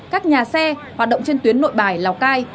các nhà xe hoạt động trên tuyến nội bài lào cai